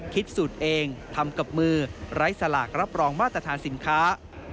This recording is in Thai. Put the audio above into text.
คิดสูตรเองทำกับมือไร้สลากรับรองมาตรฐานสินค้า